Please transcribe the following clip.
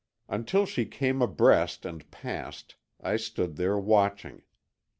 Until she came abreast and passed, I stood there watching.